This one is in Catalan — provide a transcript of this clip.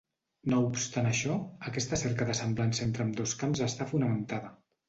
No obstant això, aquesta cerca de semblança entre ambdós camps està fonamentada.